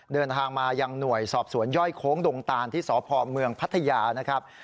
เดินทางมายังหน่วยสอบสวนย่อยโค้งดงตานที่สพเมืองพัทยานะครับ